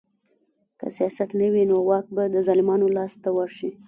که سیاست نه وي نو واک به د ظالمانو لاس ته ورشي